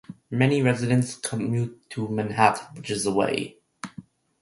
Many residents commute to Manhattan, which is away.